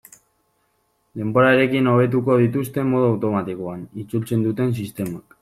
Denborarekin hobetuko dituzte modu automatikoan itzultzen duten sistemak.